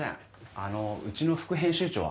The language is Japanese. あのうちの副編集長は。